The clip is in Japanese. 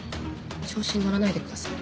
調子に乗らないでください。